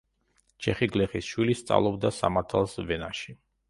ჩეხი გლეხის შვილი, სწავლობდა სამართალს ვენაში.